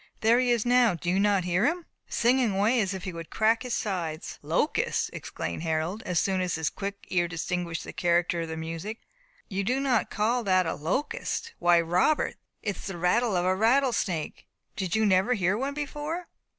There he is now do you not hear him? singing away as if he would crack his sides." "Locust!" exclaimed Harold, as soon as his quick ear distinguished the character of the music, "you do not call that a locust. Why, Robert, it is the rattle of a rattle snake. Did you never hear one before?"